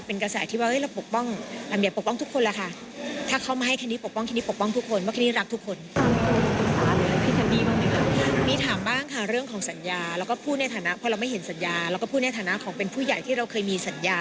เพราะเราไม่เห็นสัญญาแล้วก็พูดในฐานะของเป็นผู้ใหญ่ที่เราเคยมีสัญญา